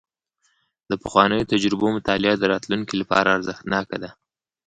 د پخوانیو تجربو مطالعه د راتلونکي لپاره ارزښتناکه ده.